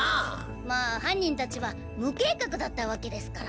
まあ犯人たちは無計画だったわけですから。